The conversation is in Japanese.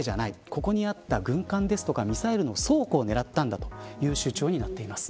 ここにあった軍艦やミサイルの倉庫を狙ったんだという主張になっています。